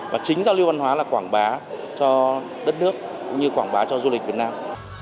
và chính giao lưu văn hóa là quảng bá cho đất nước cũng như quảng bá cho du lịch việt nam